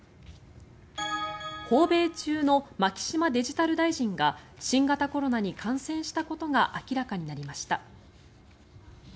訪米中の牧島デジタル大臣が新型コロナに感染したことが明らかになりました。